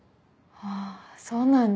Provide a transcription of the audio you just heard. あぁそうなんだ。